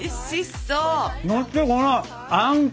そしてこのあんこ！